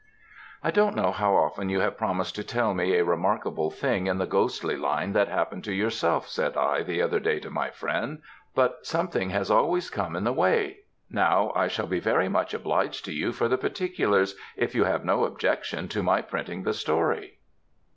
"I don't know how often you have promised to tell me a remarkable thing in the ghostly line, that happened to yourself," said I, the other day to my friend; "but something has always come in the way; now I shall be very much obliged to you for the particulars, if you have no objection to my printing the story."